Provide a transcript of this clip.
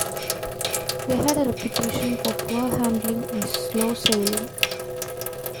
They had a reputation for poor handling and slow sailing.